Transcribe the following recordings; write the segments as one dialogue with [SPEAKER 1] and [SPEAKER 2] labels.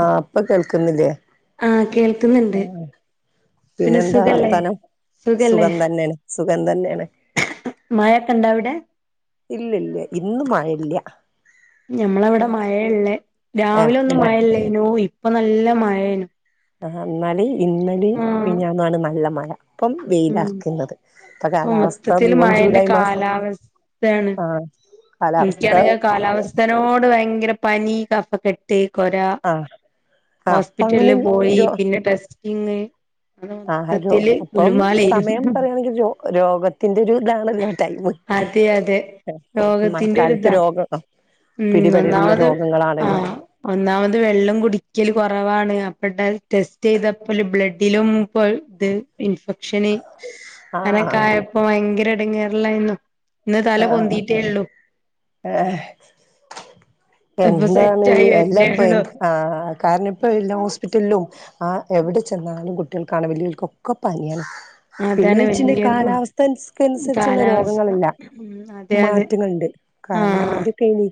[SPEAKER 1] ആഹ് ഇപ്പൊ കേൾക്കുന്നില്ലേ
[SPEAKER 2] ആഹ് കേൾക്ക്ന്ന്ണ്ട്
[SPEAKER 1] പിന്നെ എന്താ വർത്താനം.
[SPEAKER 2] സുഖല്ലേ
[SPEAKER 1] സുഖം തന്നേണ് സുഖം തന്നേണ്.
[SPEAKER 2] മായൊക്കണ്ടവിടെ
[SPEAKER 1] ഇല്ലല്യ ഇന്ന് മഴ ഇല്ല
[SPEAKER 2] ഞമ്മള ഇവടെ മഴ ഇള്ളേ. രാവിലെ
[SPEAKER 1] ഏഹ്
[SPEAKER 2] ഒന്നും
[SPEAKER 1] മ
[SPEAKER 2] മഴ ഇല്ലേനു. ഇപ്പൊ നല്ല മഴേനു
[SPEAKER 1] ഇന്നാലു ഇന്നലെ
[SPEAKER 2] ആഹ്
[SPEAKER 1] മിനിഞ്ഞാന്നാണ് നല്ല മഴ ഇപ്പം
[SPEAKER 2] ഉം
[SPEAKER 1] വെയിലറ്ക്കുന്നത്. ഇപ്പൊ കാലാവസ്ഥ ജൂൺ ജൂലൈ മാസം
[SPEAKER 2] ക്കാണ്
[SPEAKER 1] ആഹ് കാലാവസ്ഥ
[SPEAKER 2] ഇൻക്കാണെങ്കി കാലാവസ്ഥേനോട് ഭയങ്കര പനി കഫകെട്ട് [unintelligible] കൊരാ
[SPEAKER 1] ആഹ് ആഹ് അപ്പൊ
[SPEAKER 2] ഹോസ്പിറ്റലിൽ
[SPEAKER 1] അങ്ങനെ
[SPEAKER 2] പോയി
[SPEAKER 1] രോ
[SPEAKER 2] പിന്നെ ടെസ്റ്റിങ് ആകെ മൊത്തത്തില്
[SPEAKER 1] ഇപ്പം
[SPEAKER 2] ഗുലുമാലേനു
[SPEAKER 1] സമയം പറയാണെങ്കി രോ രോഗത്തിന്റെ ഒരു ഇതാണല്ലോ ടൈം
[SPEAKER 2] അതെ അതെ രോഗത്തിന്റെ
[SPEAKER 1] മഴക്കാലത്ത്
[SPEAKER 2] ഒരിതാ
[SPEAKER 1] രോഗം അഹ്
[SPEAKER 2] ഉം
[SPEAKER 1] പിടിപെടുന്ന
[SPEAKER 2] ഒന്നാമത്
[SPEAKER 1] രോഗങ്ങളാണല്ലോ
[SPEAKER 2] ആഹ് ഒന്നാമത് വെള്ളം കുടിക്കല് കൊറവാണ് അപ്പ ടെസ്റ്റ് ചെയ്തപ്പല് ബ്ലഡ് ത്തിലും പ്പൊ ഇത് ഇൻഫെക്ഷന്
[SPEAKER 1] ആഹ് ആഹ്
[SPEAKER 2] അങ്ങനക്കായ പ്പൊ ഭയങ്കര എടങ്ങേർലായ്ന്നു. ഇന്ന് തല
[SPEAKER 1] ആഹ്
[SPEAKER 2] പൊന്തിറ്റെ ഇള്ളു
[SPEAKER 1] ഏഹ് എന്താണ്, എല്ല പ്പെ ആഹ് കാരണം ഇപ്പ എല്ലാ സ്‌കൂ പിറ്റൽലും ആഹ് എവിടെ ചെന്നാലും കുട്ടികൾക്കാണെ വെല്ല്യോൽക്കൊക്കെ പനിയാണ്. പിന്നെ
[SPEAKER 2] അതാണ്
[SPEAKER 1] [unintelligible]
[SPEAKER 2] വല്യ
[SPEAKER 1] കാലാവസ്ഥ അനുസര്ച്ചുള്ള
[SPEAKER 2] കാലാവസ്ഥ
[SPEAKER 1] രോഗങ്ങളല്ല
[SPEAKER 2] ഉം അതെ അതെ
[SPEAKER 1] മാറ്റങ്ങള്ണ്ട്. കാരണം
[SPEAKER 2] ആഹ്
[SPEAKER 1] ആദ്യൊക്കെയ്നി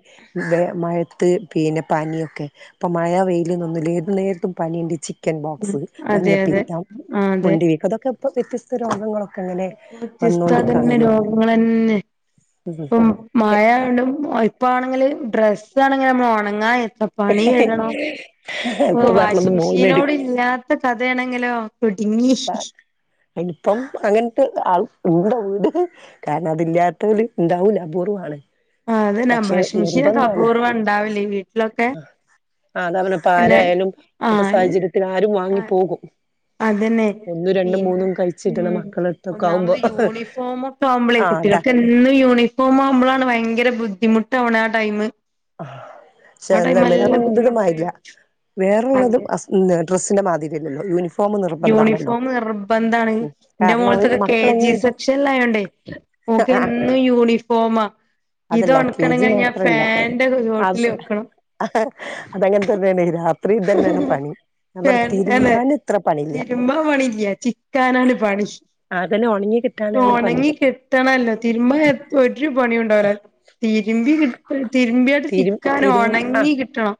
[SPEAKER 1] ബെ മഴത്ത് പിന്നെ പനിയൊക്കെ. ഇപ്പം മഴ വെയില്ന്നൊന്നുംല്ല ഏതു നേരത്തും പനിണ്ട് ചി ചിക്കൻ ബോക്സ്
[SPEAKER 2] അതെ അതെ
[SPEAKER 1] മഞ്ഞപ്പിത്തം
[SPEAKER 2] ആഹ് അതെ
[SPEAKER 1] മൊണ്ടി വീക്കം ഇതൊക്കെ ഇപ്പൊ വ്യത്യസ്ത രോഗങ്ങളൊക്കെ ക്കങ്ങനെ വന്നോണ്ട്ക്കാണ്ലെ
[SPEAKER 2] ളന്നെ ഇപ്പ മായണ്ടും ഇപ്പ ആണെങ്കിൽ ഡ്ര ഇപ്പളാണെങ്കി ഞമ്മള് ഒണങ്ങാ എത്ര പണി ഇടണൊ ഇപൊ
[SPEAKER 1] ഇപ്പൊ പറഞ്ഞത്
[SPEAKER 2] വാഷിംഗ മെഷീനോട്
[SPEAKER 1] മോളിനെടുക്ക്
[SPEAKER 2] ഇല്ലാ കഥയാണെങ്കിലോ കുടുങ്ങി
[SPEAKER 1] ഇൻക്കാ അങ്ങൻത്തെ ആള് ഇണ്ടോ വീട് കാരണം അതില്ല്യാത്തോല് ണ്ടാവൂല അപൂർവമാണ്
[SPEAKER 2] ആഹ് അതെന്നെ
[SPEAKER 1] പക്ഷെ
[SPEAKER 2] വാഷിംഗ് മെഷീൻ ഒക്ക
[SPEAKER 1] നിർബന്ധാണ്
[SPEAKER 2] അപൂർവ്വം ഇണ്ടാവല് വീട്ടിലൊക്കെ?
[SPEAKER 1] ആഹ് അതാ പർഞ്ഞെ
[SPEAKER 2] പിന്നെ
[SPEAKER 1] ഇപ്പാരായാലും ഇപ്പത്തെ
[SPEAKER 2] ആഹ്
[SPEAKER 1] സാഹചര്യത്തില് ആരും വാങ്ങി
[SPEAKER 2] ആഹ്
[SPEAKER 1] പോകും
[SPEAKER 2] അതന്നെ
[SPEAKER 1] ഒന്നും രണ്ടും
[SPEAKER 2] പിന്ന
[SPEAKER 1] മൂന്നും കഴിച്ചിട്ടണ
[SPEAKER 2] ഉം
[SPEAKER 1] മക്കളടുത്തൊക്കെ ആവുമ്പോ
[SPEAKER 2] ഒന്നാമത് യൂണിഫോമൊക്കെ ആവുമ്പളേ
[SPEAKER 1] ആഹ് അതാ
[SPEAKER 2] കുട്ടിയോൾക്ക്. എന്നും യൂണിഫോം ആവുമ്പളാണ് ഭയങ്കര ബുദ്ധിമുട്ടാവ്ണത് ആ ടൈമ്.
[SPEAKER 1] പക്ഷെ
[SPEAKER 2] ആ ടൈം
[SPEAKER 1] ല്ല
[SPEAKER 2] നല്ല ബുദ്ധിമുട്ട്
[SPEAKER 1] [unintelligible] വേറള്ളതും
[SPEAKER 2] അതെ
[SPEAKER 1] അസ് ഇന്ന് ഡ്രെസ്സിന്റെ മാതിരി അല്ലല്ലോ യൂണിഫോം നിർബന്ധാണല്ലോ
[SPEAKER 2] യൂണിഫോമ് നിർബന്ധാണ്
[SPEAKER 1] ഉം
[SPEAKER 2] ഇന്റെ
[SPEAKER 1] കാരണം
[SPEAKER 2] മോൾത് കേ
[SPEAKER 1] മക്കളെങ്ങ
[SPEAKER 2] ജി സെക്ഷൻലായോണ്ടെയ്
[SPEAKER 1] ആഹ്
[SPEAKER 2] ഓക്കെന്നും യൂണിഫോമ
[SPEAKER 1] അതല്ല കെ ജി
[SPEAKER 2] ഇതൊണക്കണെങ്കിൽ ഞാൻ ഫാന്റെ ചോട്ടില് വെക്കണം
[SPEAKER 1] അതങ്ങൻതന്നേണ് രാ
[SPEAKER 2] എന്നനെ
[SPEAKER 1] തിരുമ്പാൻ ഇത്ര പണില്ല
[SPEAKER 2] തിരുമ്പ പണില്ല ചിക്കാനാണ് പണി
[SPEAKER 1] അതന്നെ ഒണങ്ങി കിട്ടാനാണ് പണി
[SPEAKER 2] ഒണങ്ങി കിട്ടണല്ലോ? തിരുമ്പ എത്ത ഒരു പണിയുണ്ടാവൂല തിരുമ്പി ഇപ തിര്മ്പിയണ്ട്
[SPEAKER 1] തിരു
[SPEAKER 2] ചിക്കാന്
[SPEAKER 1] തിരും ആ
[SPEAKER 2] ഒണങ്ങി കിട്ടണം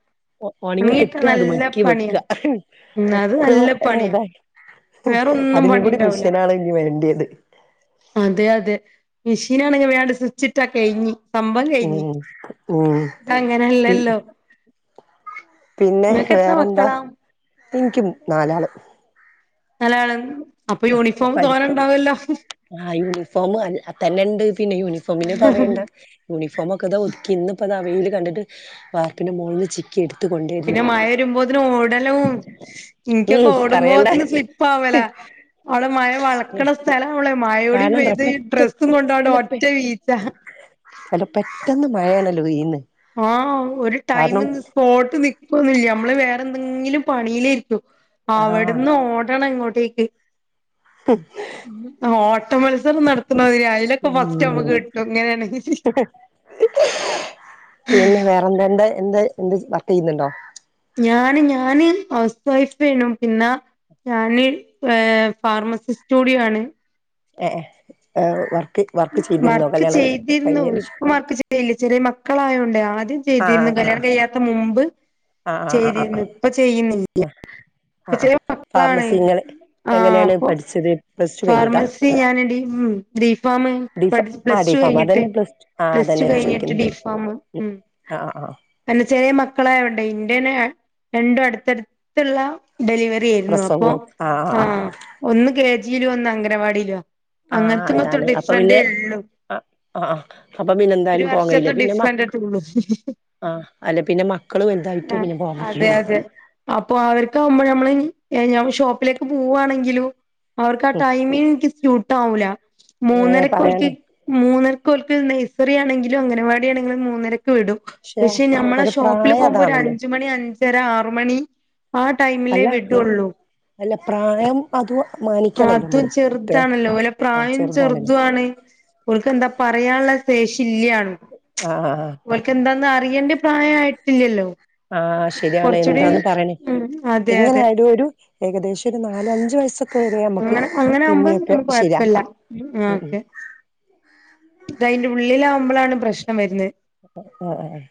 [SPEAKER 1] ഒണങ്ങി
[SPEAKER 2] കിട്ടാൻ
[SPEAKER 1] കിട്ടാ അത്
[SPEAKER 2] നല്ല
[SPEAKER 1] മട്ക്കി വെക്ക
[SPEAKER 2] പണിയാ ഉം അത്
[SPEAKER 1] ഒക്കേ
[SPEAKER 2] നല്ല പണിയാ
[SPEAKER 1] അതാണ്
[SPEAKER 2] വേറൊന്നും
[SPEAKER 1] അതിനും കുടി
[SPEAKER 2] പണിണ്ടാവൂല
[SPEAKER 1] മിഷ്യനാണ് ഇനി വേണ്ട്യേത്
[SPEAKER 2] അതെ അതെ മിഷേനാണെങ്കി വേങ്ങട് സ്വിച്ചിട്ടാ കെയ്ഞ്ഞി സംഭം കെയ്ഞ്ഞ്
[SPEAKER 1] ഉം ഉം പി
[SPEAKER 2] അതങ്ങനല്ലല്ലൊ?
[SPEAKER 1] പിന്നെ
[SPEAKER 2] എത്ര
[SPEAKER 1] വേറെന്ത
[SPEAKER 2] മക്കളാ
[SPEAKER 1] ഇൻക്ക് നാലാള്
[SPEAKER 2] നാലാള് അപ്പൊ യൂണിഫോം തോന ണ്ടാവല്ലൊ?
[SPEAKER 1] ആഹ് യൂണിഫോം അ തന്നെണ്ട് പിന്നെ യൂണിഫോമിന് പറയണ്ട യൂണിഫോമൊക്കതാ ഒത്ക്കി ഇന്ന് ഇപതാ വെയില് കണ്ടിട്ട് വാർപ്പിന്റെ മോൾല് ചി ക്കിട്ത്തുകൊണ്ട്
[SPEAKER 2] പിന്ന മഴ രുമ്പോതിന് ഓടലും ഇൻക്കൊക്കെ
[SPEAKER 1] ഉം പറയണ്ട
[SPEAKER 2] ഓടുമ്പോത്തിന് സ്ലിപ്പാവല അവടെ മയ വള്ക്ക്ണ സ്ഥല അവളെ മയൂടിം
[SPEAKER 1] കാരണം എന്താ
[SPEAKER 2] പെയ്ത ഈ
[SPEAKER 1] പെട്ടെന്ന്
[SPEAKER 2] ഡ്രസ്സും കൊണ്ട് അവടെ
[SPEAKER 1] അല്ല പെ
[SPEAKER 2] ഒറ്റ ഈച്ച
[SPEAKER 1] അല്ല പെട്ടന്ന് മഴണലൊ പെയ്യ്ന്ന്
[SPEAKER 2] ആഹ് ഒരു ടൈംമ്ന്ന് സ്പോട്ട് നിക്കൊന്നില്ല. നമ്മള് വേറെ എന്തെങ്കിലും പണിയിലെര്ക്കു
[SPEAKER 1] ആ
[SPEAKER 2] അവിടന്ന് ഓടണം ഇങ്ങോട്ടേക്ക് ഓട്ട മത്സരം നടത്തണതനതിരിയ അതിലൊക്കെ ഫസ്റ്റ്
[SPEAKER 1] ഉം
[SPEAKER 2] നമ്മക്ക് കിട്ടും ഇങ്ങനെണങ്കി
[SPEAKER 1] പിന്നെ വേറെന്തണ്ട എന്ത് എന്ത് വർക്കിയ്യുന്നുണ്ടോ?
[SPEAKER 2] ഞാന് ഞാന് ഹൗസ് വൈഫെന്നു പിന്നെ ഞാന് ഏ ഫാർമസിസ്റ്റൂഡിയാണ്
[SPEAKER 1] ഏ ഏഹ് വർക്ക് വർക്ക് ചെയ്തിരുന്നോ കല്യാണം കഴിഞ്ഞ ശേ
[SPEAKER 2] ഇല്യ ഇല്യ ചെറിയ മക്കളായോണ്ടേ ആദ്യം
[SPEAKER 1] ആ
[SPEAKER 2] ചെയ്തിന്നു കല്യാണം കഴിയാത്ത മുമ്പ്.
[SPEAKER 1] ആ ആ ആ ആ ആ
[SPEAKER 2] ചെയ്തിന്നു ഇപ്പ ചെയ്യുന്നില്ല ഇപ്പ
[SPEAKER 1] ആ ആ
[SPEAKER 2] ചെറിയ മക്കളാണ്
[SPEAKER 1] ഫാർമസി ഇങ്ങള്
[SPEAKER 2] ആഹ്
[SPEAKER 1] എങ്ങനെയാണ്
[SPEAKER 2] ഇപ്പൊ
[SPEAKER 1] പഠിച്ചത് പ്ലസ് ടു കഴിഞ്ഞിട്ടാ
[SPEAKER 2] ഫാർമസി ഞാനെ ഡീ ഉം ഗ്രീ ഫാമ്
[SPEAKER 1] ഡി ഫാ ആ
[SPEAKER 2] പ്ലസ്
[SPEAKER 1] ഡി
[SPEAKER 2] ടു
[SPEAKER 1] ഫാം
[SPEAKER 2] കഴിഞ്ഞിട്ട്.
[SPEAKER 1] അതന്നെ പ്ലസ് ടു ആ
[SPEAKER 2] പ്ലസ് ടു
[SPEAKER 1] അതന്നെ
[SPEAKER 2] കഴ്ഞ്ട്ട്
[SPEAKER 1] ചോദിക്കുന്നത്
[SPEAKER 2] ഡിഫാമ്
[SPEAKER 1] ആ ആ ആ
[SPEAKER 2] പിന്നെ ചെറ്യേ മക്കളായൊണ്ടേ ഇന്റെണ് രണ്ടും അടുത്തട് ത്ത്ള്ള ഡെലിവറി ഏയ്ര്ന്നു. അപ്പോ ആ ഒന്ന് കേ ജീലു ഒന്ന് അംഗനവാടിയിലുവാ
[SPEAKER 1] ആഹ്
[SPEAKER 2] ഇങ്ങനത്തും
[SPEAKER 1] അതാണ് അപ്പ
[SPEAKER 2] ഡിഫറന്റേ
[SPEAKER 1] പിന്നെ
[SPEAKER 2] ഉള്ളൂ
[SPEAKER 1] ആഹ് ആഹ് അപ്പ പിന്നെ
[SPEAKER 2] ഒരു
[SPEAKER 1] എന്തായാലും പോകാൻ കഴിയില്ല
[SPEAKER 2] വർഷത്തെ
[SPEAKER 1] പിന്നെ മ
[SPEAKER 2] ഡിഫറന്റേ ഉള്ളൂ
[SPEAKER 1] ആഹ് അല്ല പിന്നെ മക്കള് വല്തായിട്ട്
[SPEAKER 2] ആഹ്
[SPEAKER 1] പിന്നെ പോകാൻ പറ്റൂ
[SPEAKER 2] അതെ അതെ
[SPEAKER 1] [unintelligible]
[SPEAKER 2] അപ്പൊ അവർക്കാവുമ്പ ഞമ്മള് ഞ ഷോപ്പിലേക്ക് പോവ്വാണെങ്കിലും അവർക്ക് ആ ടൈമിംഗ് നിക്ക് സ്യൂട്ടാവൂല
[SPEAKER 1] ഏ
[SPEAKER 2] മൂന്നരക്ക് ഓല്ക്ക്‌
[SPEAKER 1] പറയാണ്ടോ
[SPEAKER 2] മൂന്നരക്ക് ഓൽക്ക് നെയ്സറി ആണെങ്കിലും അംഗനവാടി ആണെങ്കിലും മൂന്നരക്ക് വിടും.
[SPEAKER 1] പക്ഷെ
[SPEAKER 2] പഷേ ഞമ്മളെ
[SPEAKER 1] ഒരു
[SPEAKER 2] ഷോപ്പില്
[SPEAKER 1] പ്രായം
[SPEAKER 2] പോകുമ്പോ ഒര്
[SPEAKER 1] അതാണല്ലോ
[SPEAKER 2] അഞ്ച്മണി അ ഒര് ആറ്മണി ആ ടൈമിലേ
[SPEAKER 1] അല്ല
[SPEAKER 2] വിടൊള്ളൂ.
[SPEAKER 1] അല്ല പ്രായം അതുക് മാനി
[SPEAKER 2] നാത്തൂൻ ചെറുതാണല്ലോ ഓലെ പ്രായം
[SPEAKER 1] ചെറുതാണല്ലേ
[SPEAKER 2] ചെറ്തുംആണ്. ഓൽക്കെന്താ പറയാള്ള ശേഷി ഇല്ല്യാണും
[SPEAKER 1] ആഹ് ആഹ്
[SPEAKER 2] ഓല്ക്കെന്താന്ന് അറിയണ്ട പ്രായ ആയ്ട്ടില്ലല്ലോ.
[SPEAKER 1] ആഹ് ശെരിയാണ് എന്താന്ന് പറയണേ
[SPEAKER 2] ഉം അതെ അതെ
[SPEAKER 1] എങ്ങനൊയാലും ഒരു ഏകദേശം ഒര് നാലഞ്ച് വയസ്സൊ
[SPEAKER 2] അങ്ങനെ അങ്ങനെ ആക്മ്പ ഞമ്മക്ക് കൊഴപ്പല്ല
[SPEAKER 1] ശരിയാക്കാം
[SPEAKER 2] ആ
[SPEAKER 1] ഉം ഉം
[SPEAKER 2] ഓക്കെ ഇതയ്ന്റെ ഉള്ളിലാക്മ്പളാണ് പ്രശ്നം വര്ന്ന്.
[SPEAKER 1] ആഹ് ആഹ്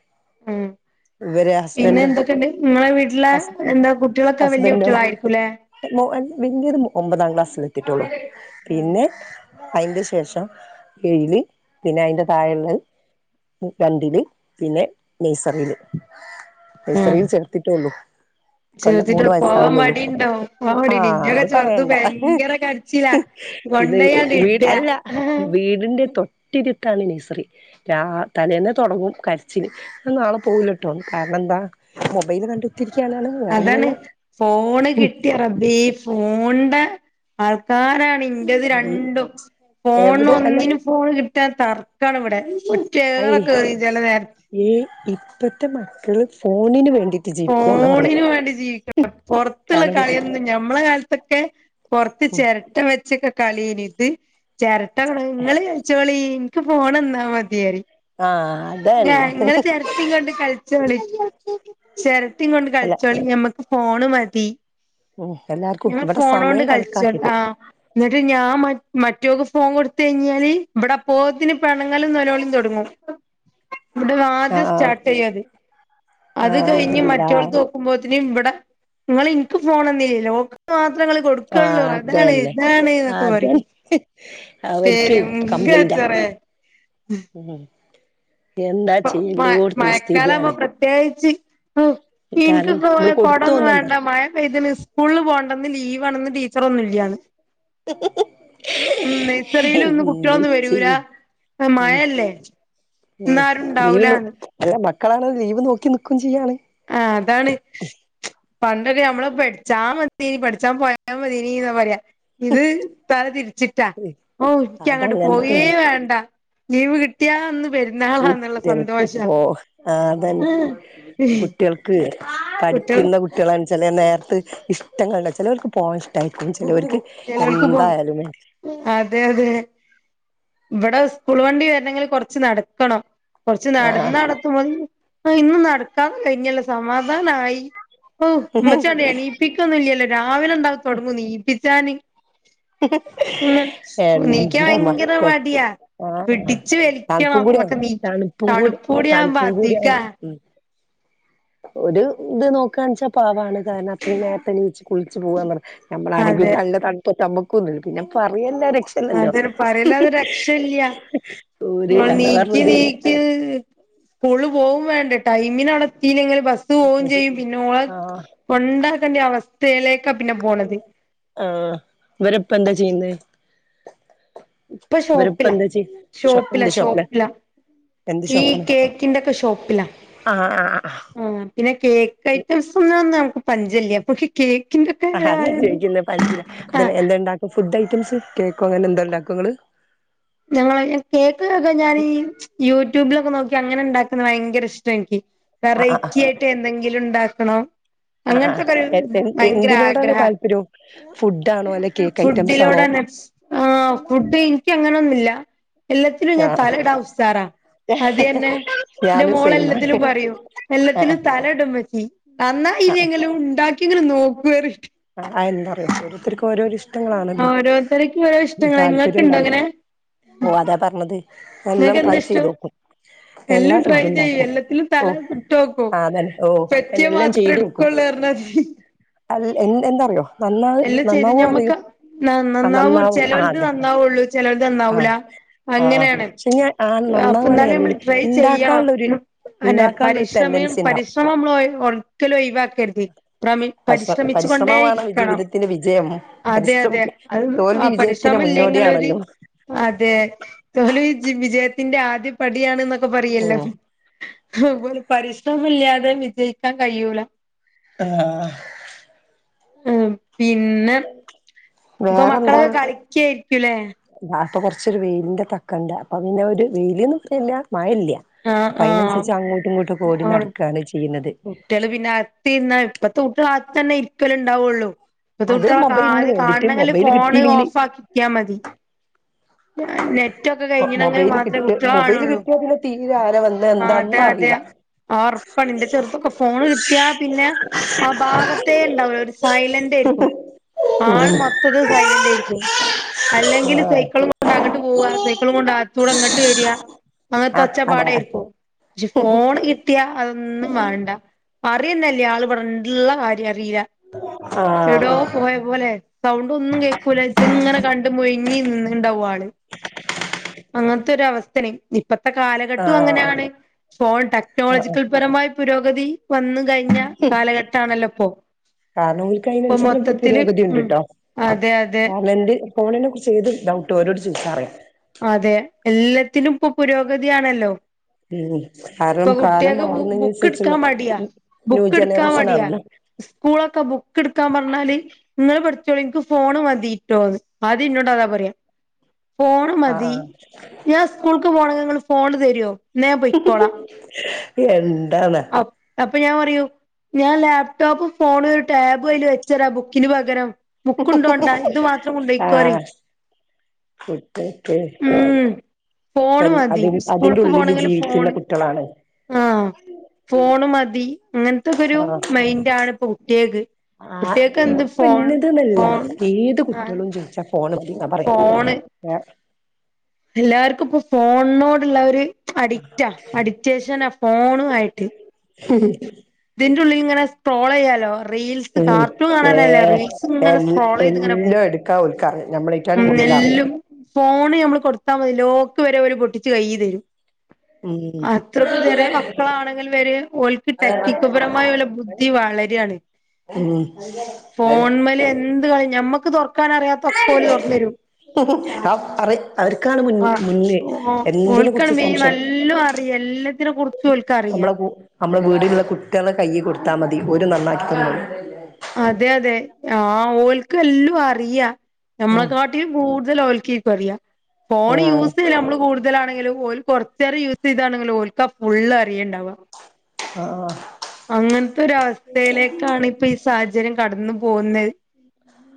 [SPEAKER 1] ഇവരാസ്
[SPEAKER 2] പിന്നെ എന്തൊക്കെയ്ണ്ട് ഇങ്ങളെ വീട്ട്ലെ എന്താ കുട്ടികളൊക്കെ വല്യ
[SPEAKER 1] ഹസ്ബൻഡോ
[SPEAKER 2] കുട്ടികളാരിക്കുംല്ലെ?
[SPEAKER 1] മോ വല്യദ് ഒമ്പതാം ക്ലാസ്സിൽ എത്തിട്ടൊള്ളൂ
[SPEAKER 2] ഉം
[SPEAKER 1] പിന്നെ അയ്ന്റെ ശേഷം ഏഴില് പിന്നെ അയ്ന്റെ താഴെള്ളത് രണ്ടില് പിന്നെ നെയ്സറില്
[SPEAKER 2] ഉം
[SPEAKER 1] നെയ്സറില് ചേർത്തിട്ടെള്ളു. ഇകൊല്ലം
[SPEAKER 2] ചേർത്തിട്ട്
[SPEAKER 1] മൂന്ന്
[SPEAKER 2] പോവാൻ
[SPEAKER 1] വയസാവ്ന്നൊള്ളൂ
[SPEAKER 2] മടിണ്ടോ പോവാൻ മടിണ്ട്
[SPEAKER 1] ആഹ്
[SPEAKER 2] ഇന്റെയൊക്കെ
[SPEAKER 1] അത്
[SPEAKER 2] ചെറുത്
[SPEAKER 1] പറയണ്ട.
[SPEAKER 2] ഭയങ്കര കരച്ചിലാ
[SPEAKER 1] ഇദ്
[SPEAKER 2] കൊണ്ടയാണ്ട് ഇട
[SPEAKER 1] വീട് അല്ല വീടിന്റെ തൊ തൊട്ടരിത്താണ് നേഴ്സറി രാ തലേന്നെ തൊടങ്ങും കരച്ചില് ഞാൻ നാളെ പോകില്ലട്ടൊ കാരണം എന്താ മൊബൈൽ കണ്ട് കുത്തിരിക്കാനാണ്.
[SPEAKER 2] അതാണ് ഫോണ് കിട്ടിയ റബ്ബേ ഫോൺന്റെ ആൾക്കാരാണ് ഇന്റെത്
[SPEAKER 1] അത്
[SPEAKER 2] രണ്ടും ഫോൺ
[SPEAKER 1] എവിടെ അല്ല
[SPEAKER 2] ഒന്നിനും ഫോണ് കിട്ടാ തർക്കാണ് ഇവ്ടെ ഒറ്റയേറ്
[SPEAKER 1] അയ്
[SPEAKER 2] ക്കെ എറിയും ചെല നേര
[SPEAKER 1] ഈ ഇപ്പഴ്ത്തെ മക്കള് ഫോണിന് വേണ്ടി
[SPEAKER 2] ഫോണിന് വാണ്ടി ജീവിക്ക്ണ ‌ പൊറത്ത്ള്ള
[SPEAKER 1] കാരണം
[SPEAKER 2] കളിയൊന്ന് ഞമ്മളെ കാലത്തൊക്കെ പൊറത്ത് ചേരട്ട വെച്ചൊക്കെ കളിയായ്നു ഇത് ചേരട്ട ഇങ്ങള് കൾച്ചോളി നിക്ക് ഫോണന്നാ മതി അറിം
[SPEAKER 1] ആഹ് അതന്നെ
[SPEAKER 2] ഞങ്ങള് ചേരട്ടെ കൊണ്ട് കള് ചോളി ചേരട്ടെ കൊണ്ട്
[SPEAKER 1] അല്ല
[SPEAKER 2] കളിച്ചോളി ഞമ്മക്ക് ഫോണ് മതി
[SPEAKER 1] ഉം എല്ലാർ
[SPEAKER 2] ഞമ്മള് ഫോണ് കൊണ്ട് കളിച്ചൺ ആഹ്. ഇന്നട്ട് ഞാൻ മ മറ്റോക്ക് ഫോൺ കൊടുത്ത് കയ്ഞ്ഞാല് ഇബടെ അപ്പോത്തിന് പെണങ്ങലും നേലോളി തൊടങ്ങും. ഇവ്ടെന്ന് ആദ്യം
[SPEAKER 1] ആഹ് ആഹ്
[SPEAKER 2] സ്റ്റാർട്ട് ചെയ്യാത് അത്
[SPEAKER 1] ആഹ്
[SPEAKER 2] കഴിഞ്ഞ്
[SPEAKER 1] എല്ലാ
[SPEAKER 2] മറ്റോൾത് ക്കുമ്പോത്തിന് ഇവിടെ ഇങ്ങൾ എനിക്ക് ഫോണന്നീലല്ലോ ഓ
[SPEAKER 1] ആഹ് അത് തന്നെ
[SPEAKER 2] ഇതാണ് എന്നൊക്കെ
[SPEAKER 1] അതൻ
[SPEAKER 2] പറയും
[SPEAKER 1] അവർക്ക്
[SPEAKER 2] തരും
[SPEAKER 1] കമ്പ്ലൈന്റാ
[SPEAKER 2] കച്ചറേ
[SPEAKER 1] ഉം. എന്താ ചെയ്യ എല്ലോടുത്തുള്ള സ്ഥിതിയാണ്.
[SPEAKER 2] ത്യകിച്ച് ഇനിക്ക്
[SPEAKER 1] കാരണം
[SPEAKER 2] കൊ
[SPEAKER 1] നമ്മള്
[SPEAKER 2] കൊടൊന്നും
[SPEAKER 1] കൊടുത്തോന്നണ്ടേ
[SPEAKER 2] വേണ്ട മഴ പെയ്തിണ് സ് സ്കൂളിൽ പോകണ്ട ഇന്ന് ലീവാണ് ഇന്ന് ടീച്ചർ ഒന്നും ഇല്യാന്ന്.
[SPEAKER 1] ഹ്‌ ഹ്
[SPEAKER 2] നഴ്സറിയിലൊന്നും
[SPEAKER 1] എന്ത്
[SPEAKER 2] കുട്ടികളൊന്നും വരൂല
[SPEAKER 1] ചെയ് ഉം
[SPEAKER 2] മഴയല്ലേ
[SPEAKER 1] ഉം
[SPEAKER 2] ഇന്നാരും
[SPEAKER 1] ലീവ്ന്ന്
[SPEAKER 2] ഉണ്ടാവൂലാന്ന്
[SPEAKER 1] അല്ല മക്കളാണ് ലീവ് നോക്കി നിക്കുകയും ചെയ്യാണ്.
[SPEAKER 2] ആഹ് അതാണ്. പണ്ടൊക്കെ നമ്മള് പഠിച്ചാ മതേനി പഠിച്ചാ പോയാ മതിനി എന്നാ പറയാ. ഇത് തല തിരിച്ചിട്ടാ ഓ ഇൻക്ക് അങ്ങട്ട് പോവേ
[SPEAKER 1] അതങ്ങൻത്തന്നെ
[SPEAKER 2] വേണ്ട. ലീവ് കിട്ടിയാ അന്ന് വരും
[SPEAKER 1] കുട്ടികൾക്കിപ്പോ ആഹ് അതുതന്നെ കുട്ടികൾക്ക്
[SPEAKER 2] കുട്ടികൾ
[SPEAKER 1] പഠിക്കുന്ന കുട്ടികളാണ് ചില നേരത്ത് ഇഷ്ടങ്ങള് ചിലവർക്ക് പോകാൻ ഇഷ്ടമായിട്ടും ചിലവർക്ക്
[SPEAKER 2] ചിലവൾക്ക് ഇപ്പോ അതെ അതെ ഇവിടെ സ്കൂൾ വണ്ടി വരണെങ്കിൽ കൊറച്ച് നടക്കണം. കുറച്ച് നടന്ന്
[SPEAKER 1] ആഹ്
[SPEAKER 2] നടത്തുമ്പ ഇന്നും നടക്കാതെ കഴിഞ്ഞുള്ള സമാധാനമായി. ഓഹ് ഉമ്മച്ച അങ്ങോട്ട് എണിപ്പിക്കൊന്നും ഇല്ലല്ലോ രാവിലെ ഉണ്ടാവു തൊടങ്ങൂ എനീപ്പിച്ചാന്. ഉം. എണിക്കാൻ
[SPEAKER 1] എന്റെ
[SPEAKER 2] ഭയങ്കര
[SPEAKER 1] മക്കൾ
[SPEAKER 2] മടിയാ.
[SPEAKER 1] ആഹ്
[SPEAKER 2] പിടിച്ചു
[SPEAKER 1] തണുപ്പും
[SPEAKER 2] വലികണം
[SPEAKER 1] കൂടിയാണ് തണുപ്പും കൂടി
[SPEAKER 2] തണുപ്പുടിയാവുമ്പം
[SPEAKER 1] തണുപ്പും
[SPEAKER 2] അതികാ
[SPEAKER 1] കൂടിയാണ് ഉം ഒരു ഇത് നോക്കുവാണ് വച്ചാൽ പാവാണ്. കാരണം അത്ര നേരത്തെ എന്നിച്ച് കുളിച്ച്പോകുവ പറയും
[SPEAKER 2] അതെ
[SPEAKER 1] നമ്മളാരങ്കിലുംനല്ല തണുപ്പട്ട് ആകു കൊള്ളും പിന്നെ പറയണ്ടയാ ണ്ടല്ലോ
[SPEAKER 2] അതൊരു പറയല്ലാതെ രക്ഷയില്ല
[SPEAKER 1] ഊര് അതാ പറഞ്ഞത്.
[SPEAKER 2] സ്കൂള്പോകും വേണ്ടേട്ടോ ടൈമിന് അവിടെ എത്തിയില്ലങ്കില്ബസ് ബസ് പോകുകയും ചെയ്യും പിന്നെ ഓളേ
[SPEAKER 1] ആഹ്
[SPEAKER 2] കൊണ്ടാക്കേണ്ട അവസ്ഥയിലേക്കാ പിന്നെ പോണത്.
[SPEAKER 1] ആഹ് ഇവരെപ്പ എന്താ ചെയ്യുന്നത്?
[SPEAKER 2] ഇപ്പോ ഷോപ്പിലാ
[SPEAKER 1] ഷോ
[SPEAKER 2] ഷോപ്പിലാ
[SPEAKER 1] എന്ത്
[SPEAKER 2] ഷോപ്പിലാ.
[SPEAKER 1] എന്ത്
[SPEAKER 2] ഈ
[SPEAKER 1] ഷോപ്പാണ്
[SPEAKER 2] കേക്കിന്റെ ഒക്കെ ഷോപ്പിലാ
[SPEAKER 1] ആഹ് ആഹ്
[SPEAKER 2] ആഹ് പിന്നെ കേക്ക് ഐറ്റംസ് ഒന്നു നമ്മുക്ക് പഞ്ചല്യ കേക്കിന്റെ
[SPEAKER 1] ആഹ് അതാ ഞാൻ
[SPEAKER 2] ആയത്
[SPEAKER 1] ചോയിക്കുന്നെ പഞ്ചില
[SPEAKER 2] ആഹ്
[SPEAKER 1] അതല്ല എന്താ ഇണ്ടാക്കും ഫുഡ് ഐറ്റംസ് കേക്കോ അങ്ങനെന്താ ഉണ്ടാക്കുവോ നിങ്ങള്?
[SPEAKER 2] ഞങ്ങള് കേക്ക്ക്കെ ഞാനീ യൂട്യൂബിലൊക്കെ നോക്കി അങ്ങനെയുണ്ടാക്കുന്നത് ഭയങ്കര ഇഷ്ടം എനിക്ക്.
[SPEAKER 1] ആഹ് ആഹ്
[SPEAKER 2] വെറൈറ്റി ആയിട്ട് എന്തെങ്കിലും ഉണ്ടാക്കണം.
[SPEAKER 1] ആഹ് ആഹ്
[SPEAKER 2] അങ്ങനത്തെ
[SPEAKER 1] എ
[SPEAKER 2] കഴിവ്
[SPEAKER 1] എൻ
[SPEAKER 2] ഭയങ്കര
[SPEAKER 1] എന്തിനോടാണ്
[SPEAKER 2] ആഗ്രഹാ
[SPEAKER 1] താല്പര്യം ഫുഡാണോ അല്ലെ കേക്ക് ഐറ്റംസ് ആണോ
[SPEAKER 2] ഫുഡിലോടെ ആഹ് ഫുഡ് എനിക്ക് അങ്ങനൊന്നു ഇല്ല. എല്ലാത്തിനും ഇങ്ങനെ
[SPEAKER 1] ആഹ്
[SPEAKER 2] തലയിടാം ഉസാറാ അത് തന്നെ. എന്റെ
[SPEAKER 1] ഞാനും
[SPEAKER 2] മോള്
[SPEAKER 1] സെയിമാ
[SPEAKER 2] എല്ലാത്തിലും പറയും എല്ലാത്തിലും
[SPEAKER 1] ആഹ്
[SPEAKER 2] തലയിടും ഉമ്മച്ചി. എന്നാ
[SPEAKER 1] ആഹ്
[SPEAKER 2] ഇത് എങ്ങലു ഉണ്ടാക്കി നോക്കു പറ
[SPEAKER 1] എന്താ പറയാ ഓരോത്തർക്ക് ഓരോരോ ഇഷ്ടങ്ങളാണല്ലോ?
[SPEAKER 2] ഓരോരുത്തർക്കും ഓരോ ഇഷ്ടങ്ങളാ നിങ്ങൾക്ക്
[SPEAKER 1] താല്പര്യം
[SPEAKER 2] ഇണ്ടോ
[SPEAKER 1] ഉണ്ടാവും.
[SPEAKER 2] അങ്ങനെ
[SPEAKER 1] ഓ അതാ പറഞ്ഞത് എല്ലാം
[SPEAKER 2] നിങ്ങൾക്ക്
[SPEAKER 1] ട്രൈ
[SPEAKER 2] എന്താ
[SPEAKER 1] ചെയ്ത്
[SPEAKER 2] ഇഷ്ടം
[SPEAKER 1] നോക്കും എല്ലാ
[SPEAKER 2] എല്ലാം ട്രൈ
[SPEAKER 1] ഫുഡ്
[SPEAKER 2] ചെയ്യും
[SPEAKER 1] ഉണ്ടാക്കും.
[SPEAKER 2] എല്ലാത്തിലും
[SPEAKER 1] ഓ
[SPEAKER 2] തല ചുട്ടോക്കും
[SPEAKER 1] അത് തന്നെ ഓ
[SPEAKER 2] പറ്റിയ
[SPEAKER 1] എല്ലാം
[SPEAKER 2] മാത്രം
[SPEAKER 1] ചെയ്ത് നോക്കും
[SPEAKER 2] എടുക്കുള്ളൂ പറഞ്ഞാതി
[SPEAKER 1] എ എന്താറിയോ നന്നാവ്
[SPEAKER 2] എല്ലാം ചെയ്ത്
[SPEAKER 1] നന്നാവോ അറിയും.
[SPEAKER 2] ഞമ്മക്ക് ന
[SPEAKER 1] ആ
[SPEAKER 2] നന്നാവൂ
[SPEAKER 1] നന്നാവും ആ
[SPEAKER 2] ചിലവർക്ക്
[SPEAKER 1] അതെ
[SPEAKER 2] നന്നാവുള്ളൂ ചിലത്
[SPEAKER 1] ആ
[SPEAKER 2] നന്നാവൂല.
[SPEAKER 1] ആ ആ
[SPEAKER 2] അങ്ങനെയാണ്
[SPEAKER 1] പക്ഷെ ഞാൻ ആ
[SPEAKER 2] അപ്പൊ
[SPEAKER 1] നന്നാവാണെ
[SPEAKER 2] എന്നാലും നമ്മൾ
[SPEAKER 1] അല്ലേലും
[SPEAKER 2] ട്രൈ ചെയ്യണം.
[SPEAKER 1] ഉണ്ടാക്കാനുള്ളൊരു
[SPEAKER 2] അന്നെ
[SPEAKER 1] ഉണ്ടാക്കാനുള്ള ഒരു
[SPEAKER 2] പരിശ്രമയം
[SPEAKER 1] ടെൻഡൻസി ഉണ്ടാവും
[SPEAKER 2] പരിശ്രമം നമ്മള് ഒരിക്കലും ഒഴിവാക്കാരുത് പരിശ്രമ പരിശ്രമിച്ചുകൊണ്ടേ ഇരിക്കണം.
[SPEAKER 1] ത്തിന്റെ വിജയം പരിശ്രം
[SPEAKER 2] അതെയതെ അത് ആ
[SPEAKER 1] തോൽവി വിജയത്തിന്റെ
[SPEAKER 2] പരിശ്രമം ഇല്ലെങ്ങി ഒരു
[SPEAKER 1] മുന്നോടിയാണല്ലോ
[SPEAKER 2] അതെ തോൽവി വിജയത്തിന്റെ ആദ്യ പടിയണ്ന്നൊക്കെ പറയല്ലോ
[SPEAKER 1] ഉം
[SPEAKER 2] അഹ് പരിശ്രമല്ലാതെ വിജയിക്കാൻ കയ്യൂല
[SPEAKER 1] ആഹ്
[SPEAKER 2] ആഹ് പിന്നെ ഇപ്പൊ മക്കളൊക്കെ കളിക്കായിരിക്കൂല്ലേ
[SPEAKER 1] ദാപ്പൊ കൊറച്ചൊരു വെയിലിന്റെ തക്കണ്ട് അപ്പൊ പിന്നെ ഒരു വെയിലിന്ന് പറില്ല മഴല്ല
[SPEAKER 2] ആഹ് ആഹ്
[SPEAKER 1] അപ്പൊയ്നൻസരിച്ച് അങ്ങോട്ടും ഇങ്ങോട്ടും ഓടി
[SPEAKER 2] ആഹ്
[SPEAKER 1] നടക്കാണ് ചെയ്യുന്നത്
[SPEAKER 2] കുട്ടികള് പിന്നെ അകത്തിർന്ന ഇപ്പത്തെ കുട്ടികൾ അകത്തന്നെ ഇരിക്കലും ഉണ്ടാവുള്ളൂ
[SPEAKER 1] അത്
[SPEAKER 2] ഇപ്പത്തുട്ട്യാളട കാ
[SPEAKER 1] മൊബൈലിന്
[SPEAKER 2] അത്
[SPEAKER 1] വേണ്ടിട്ട്
[SPEAKER 2] കാണണെങ്കിൽ
[SPEAKER 1] മൊബൈല്
[SPEAKER 2] ഫോണ്
[SPEAKER 1] കിട്ടിയില്ലെങ്കില്
[SPEAKER 2] ഓഫ് ആക്കിക്ക്യാ മതി നെറ്റൊക്കെ കഴിഞ്ഞണെങ്കിൽ
[SPEAKER 1] മൊബൈല്
[SPEAKER 2] മാത്രമേ
[SPEAKER 1] കിട്ട്
[SPEAKER 2] കുട്ട്യാള
[SPEAKER 1] മൊബൈല്
[SPEAKER 2] കാണുള്ളൂ
[SPEAKER 1] കിട്ടിയാ പിന്നെ തീരെ ആരാ വന്ന്
[SPEAKER 2] ആ അതെ
[SPEAKER 1] എന്താന്നും
[SPEAKER 2] അതെ
[SPEAKER 1] അറിയില്ല
[SPEAKER 2] ആ ഒറപ്പണിന്റെ ചെറുതൊക്കെ ഫോണ് കിട്ട്യാ പിന്നെ ആ ഭാഗത്തേ ണ്ടാവൂല്ല സൈലന്റ് ആയിരിക്കും ആൾ മൊത്ത സൈലന്റായിരിക്കും അല്ലെങ്കിൽ
[SPEAKER 1] ആഹ്
[SPEAKER 2] സൈക്കിളും കൊണ്ട് ണ്ട് അങ്ങട്ട് പോവാ സേക്കളും കൊണ്ടത്തൂടെ ഇങ്ങട്ട് വര അങ്ങൻത്തെ
[SPEAKER 1] ആഹ്
[SPEAKER 2] ഒച്ച
[SPEAKER 1] അതെ
[SPEAKER 2] പാടായിരിക്കും
[SPEAKER 1] ആഹ്
[SPEAKER 2] ക്ഷ് ഫോണ് കിട്ട്യ അതൊന്നും വാണ്ട അറ്യന്നല്ല ആള് ഇവിടെ ഇള്ള കാര്യം അറീല്ല എവിടോ പോയ പോലെ സൗണ്ടൊന്നും കേക്കൂല ഇത്ങ്ങനെ കണ്ട് മുഴ്ങ്ങി നിന്ന് ണ്ടാവും ആള് അങ്ങനത്തെരവസ്ഥണെ ഇപ്പത്തെ കാലഘട്ടും
[SPEAKER 1] ആഹ്
[SPEAKER 2] അങ്ങനാണ് ഫോണ്
[SPEAKER 1] ആഹ്
[SPEAKER 2] ടെക്നോളജിക്കൽ പരമായി പുരോഗതി വന്ന് കഴിഞ്ഞ കാലഘട്ടാണല്ലോപ്പോ
[SPEAKER 1] കാരണം ഒല്ക്ക് അയ്നൻസരിച്ച് പുരോഗതിണ്ട്
[SPEAKER 2] ഉം
[SPEAKER 1] ട്ടോ
[SPEAKER 2] അതെ അതെ
[SPEAKER 1] കാരണന്റെ ഫോണിനെ കുറിച്ച് ഏത് ഡൗട്ടു ഓരോട് ചോയ്ച്ചാറിയാം
[SPEAKER 2] അതെ എല്ലത്തിലും ഇപ്പൊ പുരോഗതിയാണല്ലോ
[SPEAKER 1] ഉം
[SPEAKER 2] ഇപ്പൊ
[SPEAKER 1] കാരണം കാലം
[SPEAKER 2] കുട്ട്യേക്ക് ബു
[SPEAKER 1] മാറുന്നതിനനുസരിച്ചുള്ള
[SPEAKER 2] ബുക്ക്ട്ക്കാൻ മട്യാ
[SPEAKER 1] ന്യൂ
[SPEAKER 2] ബുക്ക്ട്ക്കാൻ
[SPEAKER 1] ജനറേഷൻ
[SPEAKER 2] മടിയാ
[SPEAKER 1] ആണല്ലോ
[SPEAKER 2] സ്കൂളൊക്കെ ബുക്ക്ട്ക്കാൻ പറഞ്ഞാല് ഇങ്ങള് പഠിച്ചോളി ഇൻക്ക് ഫോണ് മതിട്ടോന്ന് ആദ്യ ഇന്നോടതാ പറയാ ഫോൺ ണ് മതി
[SPEAKER 1] ആഹ്
[SPEAKER 2] ഞാൻ സ്കൂൾക്ക് പോണെങ്കിൽ ഇങ്ങള് ഫോണ് തരോ ഇന്നാ ഞാൻ പൊയ്ക്കോളാം
[SPEAKER 1] [unintelligible] എന്താന്ന
[SPEAKER 2] അ അപ്പൊ ഞാൻ പറയു ഞാൻ ലാപ്ടോപ്പും ഫോണ് ടേബും അയ്ല് വെച്ചരാ ബുക്കിന് പകരം ബുക്ക്ണ്ടോണ്ട ഇത് മാത്രം കൊണ്ടൊയ്ക്കോറിം
[SPEAKER 1] ശരി ഇപ്പക്കെ
[SPEAKER 2] ഉം ഫോണ്
[SPEAKER 1] പെൻ
[SPEAKER 2] മതി
[SPEAKER 1] അതിന് അതിന്റെ
[SPEAKER 2] സ്കൂൾക്ക്
[SPEAKER 1] ഉള്ളില്
[SPEAKER 2] പോണെങ്കിൽ
[SPEAKER 1] ജീവിക്ക്ന്ന
[SPEAKER 2] ഫോണ്
[SPEAKER 1] കുട്ട്യേളാണത്
[SPEAKER 2] ആഹ് ഫോണ് മതി ഇങ്ങൻത്തക്കൊരു
[SPEAKER 1] ആഹ്
[SPEAKER 2] മൈൻഡാണ് ഇപ്പൊ കുട്ട്യേക്ക്
[SPEAKER 1] ആഹ് ഇപ്പ ഇന്നത് ന്നല്ല
[SPEAKER 2] ഫോൺ
[SPEAKER 1] ഏത്
[SPEAKER 2] ആഹ്
[SPEAKER 1] കുട്ട്യേളും ചോയിച്ചാ ഫോണ് പറേ [unintelligible] പറിം
[SPEAKER 2] ഫോണ്
[SPEAKER 1] ഏഹ്
[SPEAKER 2] എല്ലാർക്കും ഇപ്പൊ ഫോണ്നോട്ള്ള ഒരു അഡിക്റ്റ അഡിക്റ്റേഷനാ ഫോണു ആയിട്ട്
[SPEAKER 1] ഹം
[SPEAKER 2] ഇതിന്റുള്ളില് ഇങ്ങനെ സ്ട്രോളെയ്യാലോ
[SPEAKER 1] ഉം ഏഹ്
[SPEAKER 2] ഇങ്ങനെ
[SPEAKER 1] എൽ
[SPEAKER 2] സ്ക്രോൾ ചെയ്ത് ഇങ്ങനെ
[SPEAKER 1] എല്ലും
[SPEAKER 2] പോകും
[SPEAKER 1] ഇട്ക്കാ ഓൽക്കാറ്യാ നമ്മളേ റ്റാളും
[SPEAKER 2] ഉം
[SPEAKER 1] കൂടുതലറ്യാ
[SPEAKER 2] എല്ലും ഫോണ് നമ്മള് കൊട്ത്താ മതി ലോക്ക് വരെ ഓല് പൊട്ടിച്ച് കയ്യ് തരും
[SPEAKER 1] ഉം
[SPEAKER 2] അത്രക്കും ചെറ്യേ മക്കളാണെങ്കിൽ വരെ ഓൽക്ക് ടെ [unintelligible] പരമായി ഓലെ ബുദ്ധി വളരാണ്
[SPEAKER 1] ഉം
[SPEAKER 2] ഫോൺമ്മല് എന്ത് കളി ഞമ്മക്ക് തൊറ്ക്കാനറിയാത്തൊക്കെ ഓല് തൊറ്ന്നരും
[SPEAKER 1] ആഹ് അറിം അവര്ക്കാണ് മുൻ
[SPEAKER 2] ആഹ്
[SPEAKER 1] മുന്ന്
[SPEAKER 2] ഓ
[SPEAKER 1] എന്തിനെ
[SPEAKER 2] ഓൽക്കാണ്
[SPEAKER 1] കുറിച്ചും
[SPEAKER 2] മെയിൻ
[SPEAKER 1] സംശയം
[SPEAKER 2] നല്ലോം അറിയാ എല്ലത്തിനെ കുറിച്ചും ഓൽക്കറിയാ
[SPEAKER 1] നമ്മളെ നമ്മളെ വീടില്ള്ള കുട്ട്യേളെ കയ്യ് കൊട്ത്താ മതി ഓര് നന്നാക്കി തെന്നോളും
[SPEAKER 2] അതെ അതെ ആ ഓല്ക്കെല്ലു അറിയാ ഞമ്മളെ കാ
[SPEAKER 1] ഉം
[SPEAKER 2] ട്ടി കൂടുതലോല്കേക്കു അറിയ ഫോണ്
[SPEAKER 1] ആഹ്
[SPEAKER 2] യൂസിയല് നമ്മള് കൂ ട്തലാണെങ്കിലും ഓല് കൊറ്ച്ചേരം യൂസെയ്താണെങ്കിലും ഓല്ക്കാ ഫുള്ള്റിയണ്ടാവാ
[SPEAKER 1] ആഹ് ആഹ്
[SPEAKER 2] അങ്ങൻത്തൊര് അവസ്ഥയിലേക്കാണിപ്പ ഈ സാഹചര്യം കടന്ന് പോവുന്നേ
[SPEAKER 1] [inaudible]